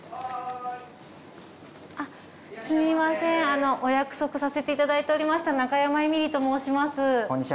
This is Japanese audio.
すみませんお約束させて頂いておりました中山エミリと申します。